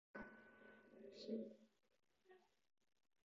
授权代理是向加州州务卿注册的自然人或企业实体；且